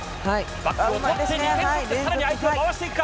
バックを取って２点取って、さらに相手を回していくか。